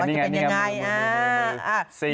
จะเป็นยังไง